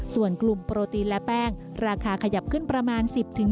ส่วนกลุ่มโปรตีนและแป้งราคาขยับขึ้นประมาณ๑๐